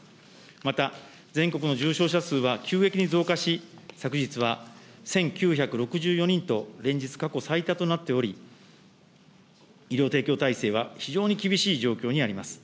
また、全国の重症者数は急激に増加し、昨日は１９６４人と連日、過去最多となっており、医療提供体制は非常に厳しい状況にあります。